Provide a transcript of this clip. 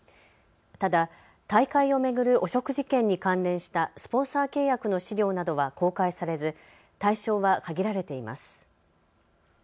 ただ大会を巡る汚職事件に関連したスポンサー契約の資料などは公開されず対象は限られています。